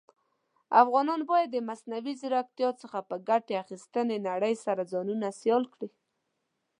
افغانان بايد د مصنوعى ځيرکتيا څخه په ګټي اخيستنې نړئ سره ځانونه سيالان کړى.